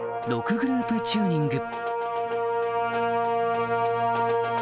６グループチューニング